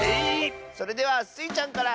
それではスイちゃんから！